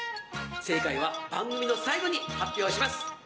正解は番組の最後に発表します。